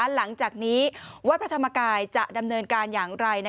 หลังจากนี้วัดพระธรรมกายจะดำเนินการอย่างไร